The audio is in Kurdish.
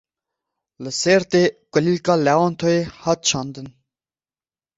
Li Sêrtê kulîlka lewentoyê hat çandin.